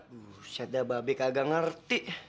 buset daba be kagak ngerti